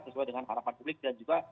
sesuai dengan harapan publik dan juga